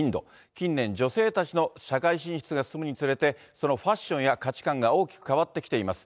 近年、女性たちの社会進出が進むにつれて、そのファッションや価値観が大きく変わってきています。